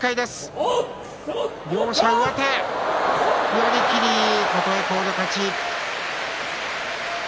寄り切り、琴恵光の勝ち。